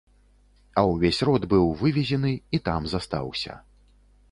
А ўвесь род быў вывезены і там застаўся.